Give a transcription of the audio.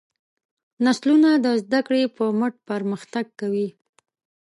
نسلونه د زدهکړې په مټ پرمختګ کوي.